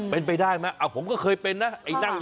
เป็นไปได้ไหมผมก็เคยเป็นนะ